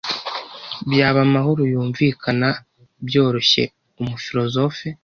Byaba amahoro yumvikana - byoroshye umufilozofe